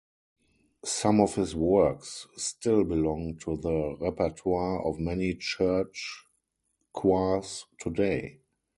Some of his works still belong to the repertoire of many church choirs today.